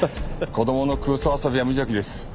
子どもの空想遊びは無邪気です。